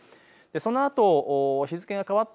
そのあと日付が変わった